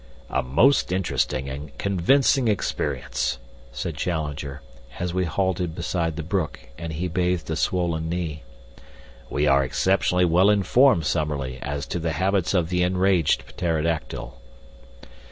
"A most interesting and convincing experience," said Challenger, as we halted beside the brook and he bathed a swollen knee. "We are exceptionally well informed, Summerlee, as to the habits of the enraged pterodactyl."